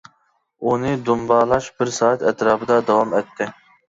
ئۇنى دۇمبالاش بىر سائەت ئەتراپىدا داۋام ئەتتى.